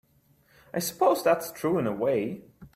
I suppose that's true in a way.